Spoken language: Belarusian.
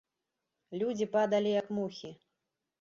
Людзі падалі, як мухі.